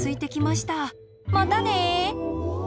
またね。